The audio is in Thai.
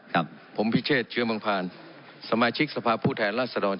ครับผมพี่เชศเชื้อบางภารสมาชิกสภาพผู้แทนราศาลวรรดิ